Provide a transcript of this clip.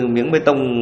miếng bê tông